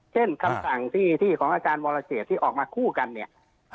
คำสั่งที่ของอาจารย์วรเศษที่ออกมาคู่กันเนี่ย